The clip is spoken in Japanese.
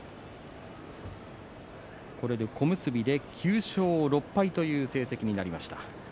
これで小結で９勝６敗という成績になりました。